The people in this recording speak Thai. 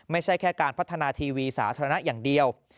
ไม่ใช่แค่การพัฒนาทีวีสาธารณะอย่างเดียว